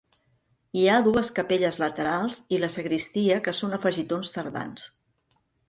Hi ha dues capelles laterals i la sagristia que són afegitons tardans.